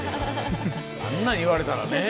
あんなん言われたらねぇ。